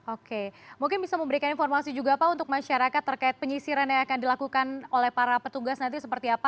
oke mungkin bisa memberikan informasi juga pak untuk masyarakat terkait penyisiran yang akan dilakukan oleh para petugas nanti seperti apa